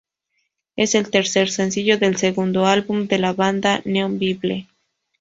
Es el tercer sencillo del segundo álbum de la banda, "Neon Bible".